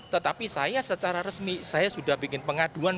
tetapi saya secara resmi saya sudah bikin pengaduan